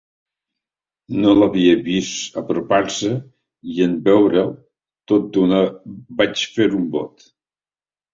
No l'havia vist apropar-se i en veure'l tot d'una vaig fer un bot.